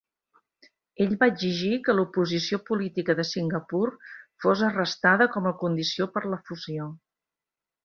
Ell va exigir que l'oposició política de Singapur fos arrestada com a condició per la fusió.